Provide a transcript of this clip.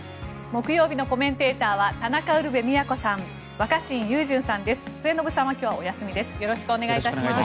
木曜日のコメンテーターは田中ウルヴェ京さん若新雄純さんです。